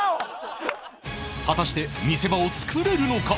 果たして見せ場を作れるのか？